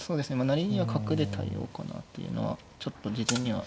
成りには角で対応かなというのはちょっと事前には。